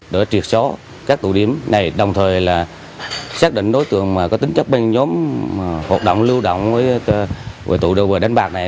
để triệt số các tụ điểm này đồng thời là xác định đối tượng có tính chấp bên nhóm hợp động lưu động với tụ đô bờ đánh bạc này